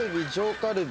カルビ。